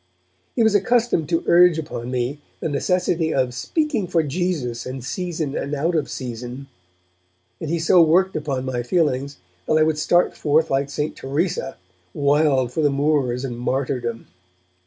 He was accustomed to urge upon me the necessity of 'speaking for Jesus in season and out of season', and he so worked upon my feelings that I would start forth like St. Teresa, wild for the Moors and martyrdom.